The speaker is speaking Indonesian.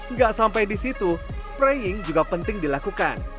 nggak sampai di situ spraying juga penting dilakukan